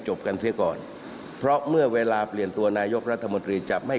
กันเสียก่อนเพราะเมื่อเวลาเปลี่ยนตัวนายกรัฐมนตรีจะไม่